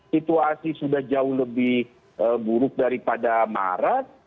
situasi sudah jauh lebih buruk daripada maret